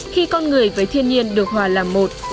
khi con người với thiên nhiên được hòa làm một